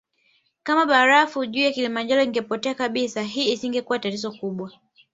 Kama barafu juu ya Kilimanjaro ingepotea kabisa hii isingekuwa tatizo kubwa